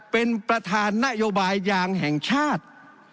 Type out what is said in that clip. เป็นประธานนโยบายยางแห่งชาติ